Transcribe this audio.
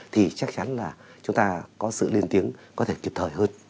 thì chắc chắn là chúng ta có sự lên tiếng có thể kịp thời hơn